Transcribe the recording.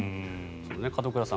門倉さん